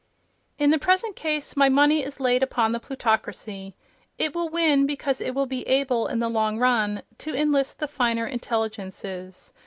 In the present case my money is laid upon the plutocracy. It will win because it will be able, in the long run, to enlist the finer intelligences.